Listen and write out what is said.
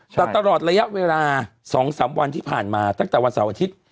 แต่ตลอดระยะเวลา๒๓วันที่ผ่านมาตั้งแต่วันเสาร์อาทิตย์